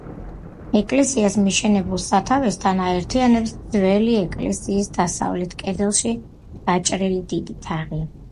ეკლესიას მიშენებულ სათავსთან აერთიანებს ძველი ეკლესიის დასავლეთ კედელში გაჭრილი დიდი თაღი.